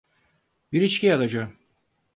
Bir içki alacağım.